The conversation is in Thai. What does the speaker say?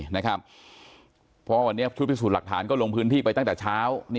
เพราะวันนี้ชุดพิสูจน์หลักฐานก็ลงพื้นที่ไปตั้งแต่เช้า